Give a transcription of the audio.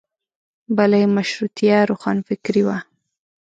بله یې مشروطیه روښانفکري وه.